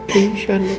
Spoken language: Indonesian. keisha menunggu kamu